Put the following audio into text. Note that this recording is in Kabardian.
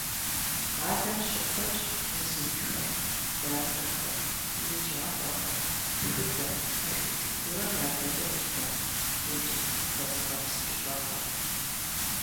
Къалэм щыкуэдщ музейхэр, театрхэр, еджапӀэхэр, тхыдэм, архитектурэм я фэеплъхэр, тенджыз Ӏуфэ зыгъэпскӀыпӀэхэр.